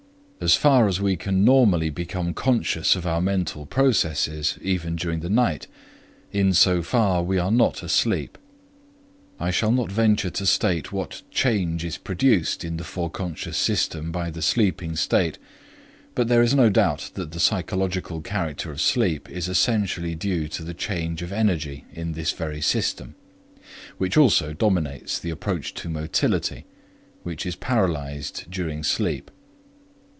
As far as we can normally become conscious of our mental processes, even during the night, in so far we are not asleep. I shall not venture to state what change is produced in the Forec. system by the sleeping state, but there is no doubt that the psychological character of sleep is essentially due to the change of energy in this very system, which also dominates the approach to motility, which is paralyzed during sleep.